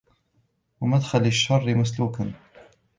وَمَدْخَلَ الشَّرِّ مَسْلُوكًا